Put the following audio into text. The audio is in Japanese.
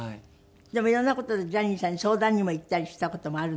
でもいろんな事でジャニーさんに相談にも行ったりした事もあるんですって？